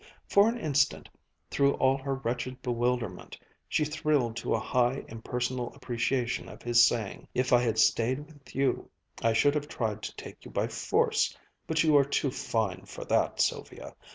For an instant, through all her wretched bewilderment, she thrilled to a high, impersonal appreciation of his saying: "If I had stayed with you, I should have tried to take you by force but you are too fine for that, Sylvia!